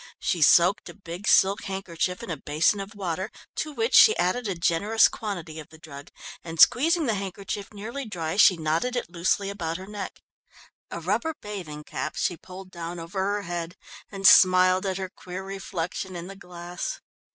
She soaked a big silk handkerchief in a basin of water, to which she added a generous quantity of the drug, and squeezing the handkerchief nearly dry, she knotted it loosely about her neck. A rubber bathing cap she pulled down over her head, and smiled at her queer reflection in the glass.